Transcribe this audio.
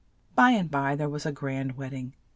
By and by there was a grand wed ding.